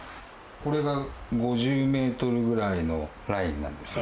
これが５０メートルぐらいのラインなんですよ。